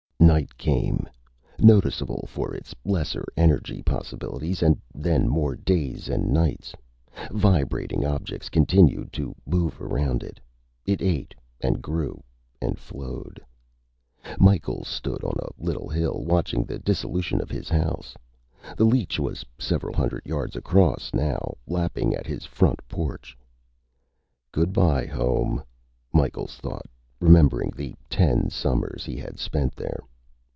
Night came, noticeable for its lesser energy possibilities, and then more days and nights. Vibrating objects continued to move around it. It ate and grew and flowed. Micheals stood on a little hill, watching the dissolution of his house. The leech was several hundred yards across now, lapping at his front porch. Good by, home, Micheals thought, remembering the ten summers he had spent there.